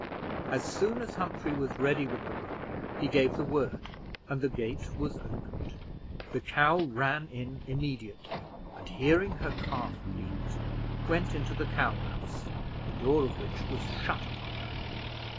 As soon as Humphrey was ready with the rope, he gave the word, and the gate was opened; the cow ran in immediately, and, hearing her calf bleat, went into the cow house, the door of which was shut upon her.